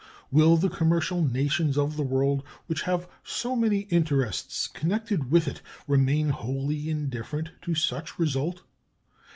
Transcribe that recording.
Will the commercial nations of the world, which have so many interests connected with it, remain wholly indifferent to such a result?